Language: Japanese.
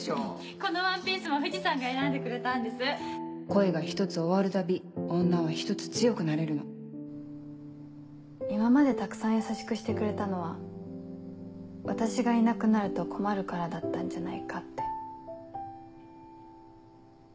このワンピースも藤さんが選んでくれたん恋が１つ終わるたび女は１つ強くなれるの今までたくさん優しくしてくれたのは私がいなくなると困るからだったんじゃないかって。